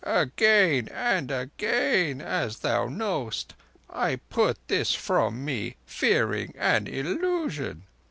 Again and again, as thou knowest, I put this from me, fearing an illusion.